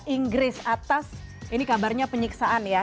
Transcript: inggris atas ini kabarnya penyiksaan ya